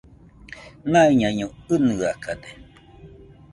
Naiñaiño ɨnɨakañede